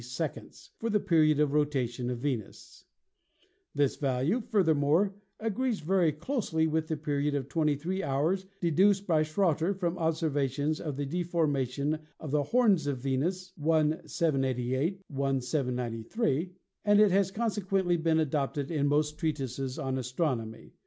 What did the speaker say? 93 seconds for the period of rotation of Venus. This value, furthermore, agrees very closely with the period of 23 hours and 21 minutes deduced by Schroter from observations of the deformation of the horns of Venus (1 788 1 793), and it has consequently been adopted in most treatises on astron omy.